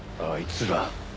あいつら。